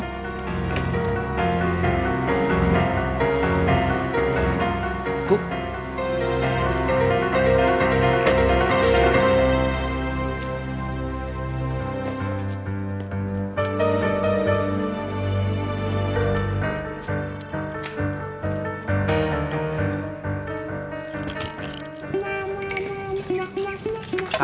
bukain pintunya kum